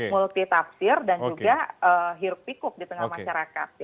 multi tafsir dan juga hirup pikuk di tengah masyarakat